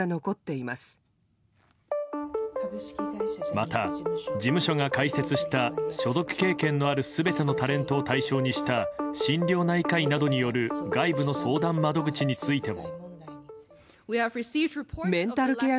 また、事務所が開設した所属経験のある全てのタレントを対象にした心療内科医などによる外部の相談窓口についても。